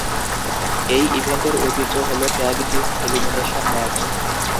এই ইভেন্টের ঐতিহ্য হলো ট্যাগ টিম এলিমিনেশন ম্যাচ।